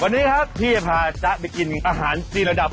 วันนี้ครับพี่จะพาจ๊ะไปกินอาหารที่ระดับ